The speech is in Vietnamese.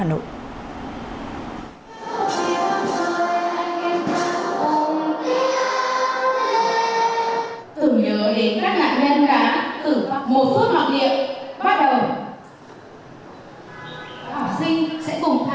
tưởng nhớ đến các nạn nhân đã từ một phút mặc niệm bắt đầu